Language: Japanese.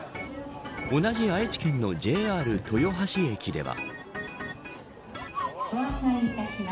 同じ愛知県のＪＲ豊橋駅では。